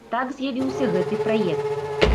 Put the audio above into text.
Так з'явіўся гэты праект.